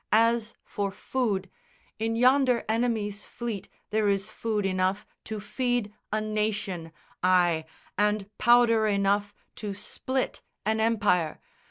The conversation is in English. As for food, In yonder enemy's fleet there is food enough To feed a nation; ay, and powder enough To split an empire.